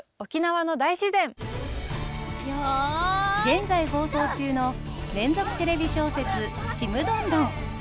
現在放送中の連続テレビ小説「ちむどんどん」。